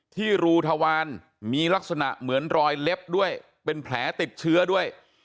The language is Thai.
รูทวารมีลักษณะเหมือนรอยเล็บด้วยเป็นแผลติดเชื้อด้วย